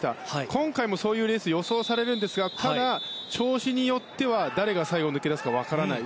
今回もそういうレースが予想されますがただ、調子によっては誰が最後、抜け出すか分からない。